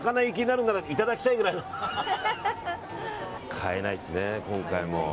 買えないですね、今回も。